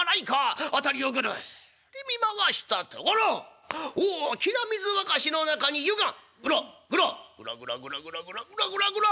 辺りをぐるり見回したところ大きな水沸かしの中に湯がぐらっぐらっぐらぐらぐらぐらぐらぐらぐらぐら！